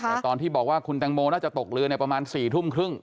แต่ตอนที่บอกว่าคุณแตงโมน่าจะตกเรือเนี่ยประมาณ๔ทุ่มครึ่ง